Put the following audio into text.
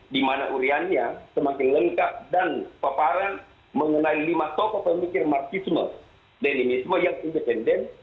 di mana uriannya semakin lengkap dan paparan mengenai lima tokoh pemikir marxisme denimisme yang independen